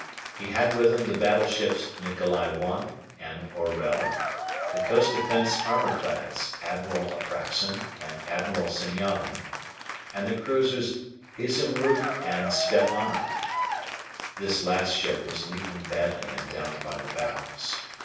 He had with him the battleships "Nikolai I" and "Orel," the coast defence armour clads "Admiral Apraxin" and "Admiral Senyavin," and the cruisers "Izumrud" and "Svietlana." This last ship was leaking badly and down by the bows.